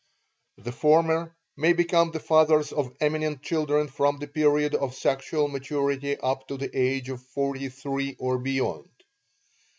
The former may become the fathers of eminent children from the period of sexual maturity up to the age of forty three or beyond.